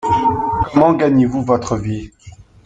Comment gagnez-vous votre vie ?